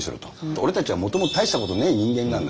「俺たちはもともと大したことねえ人間なんだ。